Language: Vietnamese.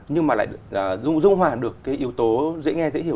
nhưng mà lại dụ dung hòa được cái yếu tố dễ nghe dễ hiểu